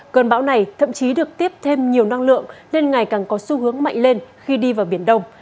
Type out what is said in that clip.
cơn bão này thậm chí được tiếp thêm nhiều năng lượng nên ngày càng có xu hướng mạnh lên khi đi vào biển đông